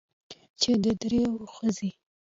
چې د درېو ښځې